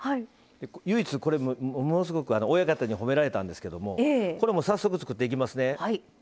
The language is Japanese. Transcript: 唯一、これ、ものすごく親方に褒められたんですけど、早速作っていきますね。